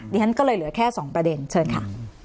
ฉันก็เลยเหลือแค่๒ประเด็นเชิญค่ะ